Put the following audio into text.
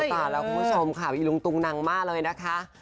ป่าแล้วคุณผู้ชมค่ะอีลุงตุงนังมากเลยนะคะ